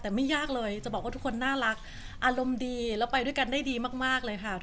แต่ไม่ยากเลยจะบอกว่าทุกคนน่ารักอารมณ์ดีแล้วไปด้วยกันได้ดีมากเลยค่ะ